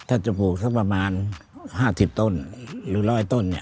ถ้าจะปลูกสักประมาณ๕๐ต้นหรือ๑๐๐ต้นเนี่ย